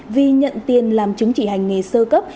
vi nhận tiền làm chứng chỉ hành nghề sơ cấp